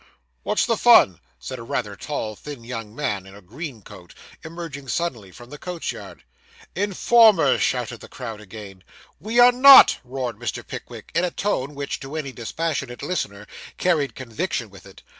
'What's the fun?' said a rather tall, thin, young man, in a green coat, emerging suddenly from the coach yard. 'Informers!' shouted the crowd again. 'We are not,' roared Mr. Pickwick, in a tone which, to any dispassionate listener, carried conviction with it.